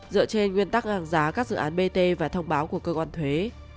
dựa trên nguyên tắc hàng giá các dự án bt và thông báo của cơ quan thuế